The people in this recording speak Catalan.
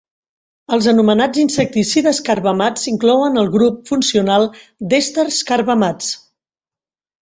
Els anomenats insecticides carbamats inclouen el grup funcional d'èsters carbamats.